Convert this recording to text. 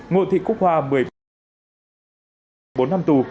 ngộ thị quốc hoa một mươi bốn năm tù